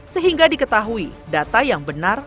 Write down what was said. sehingga diketahui data yang benar